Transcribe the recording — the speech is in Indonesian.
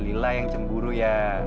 lila yang cemburu ya